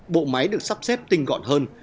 bộ máy được sắp xếp tinh gọn hơn